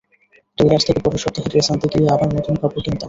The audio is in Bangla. টেইলার্স থেকে পরের সপ্তাহে ড্রেস আনতে গিয়ে আবার নতুন কাপড় কিনতাম।